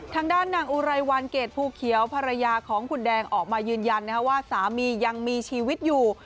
ทางด้านนางอุไรวันเกรดภูเขียวภรรยาของคุณแดงออกมายืนยันว่าสามียังมีชีวิตอยู่